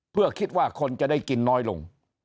เพื่อคิดว่าคนจะได้กินน้อยลง